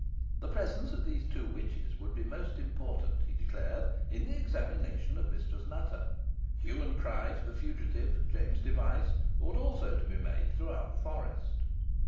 The presence of these two witches would be most important, he declared, in the examination of Mistress Nutter. Hue and cry for the fugitive, James Device, ought also to be made throughout the forest.